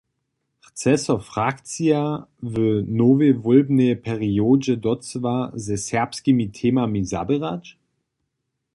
Chce so frakcija w nowej wólbnej periodźe docyła ze serbskimi temami zaběrać?